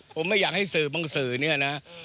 ผมไม่อยากให้สื่อบางสื่อเนี่ยนะ